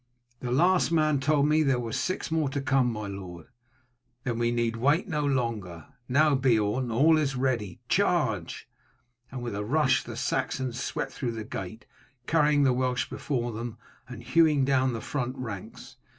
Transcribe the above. "The last man told me that there were six more to come, my lord." "Then we need wait no longer. Now, Beorn, all is ready charge!" and with a rush the Saxons swept through the gate, carrying the Welsh before them and hewing down the front ranks.